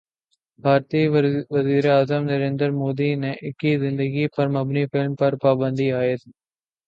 بھارتی وزیراعظم نریندر مودی کی زندگی پر مبنی فلم پر پابندی عائد